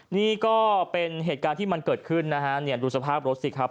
นี่ก็เป็นเหตุการณ์ที่มันเกิดขึ้นนะฮะเนี่ยดูสภาพรถสิครับ